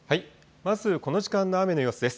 まずこの時間の雨の様子です。